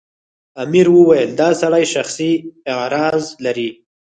امیر وویل دا سړی شخصي اغراض لري.